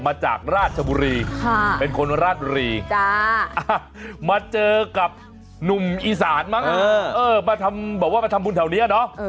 มาจากราชบุรีเป็นคนราชบุรีมาเจอกับหนุ่มอีสานมั้งมาทำแบบว่ามาทำบุญแถวนี้เนาะ